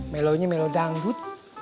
melonya melo dangdut